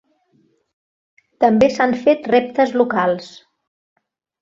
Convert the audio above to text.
També s'han fet reptes locals.